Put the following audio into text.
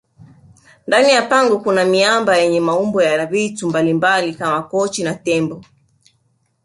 ndani ya pango Kuna miamba yenye maumbo ya vitu mbalimbali Kama kochi na tembo